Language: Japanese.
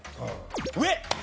上！